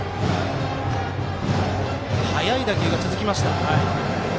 速い打球が続きました。